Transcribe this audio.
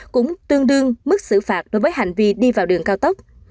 cũng tương đương mức xử phạt đối với hành vi đi vào đường cao tốc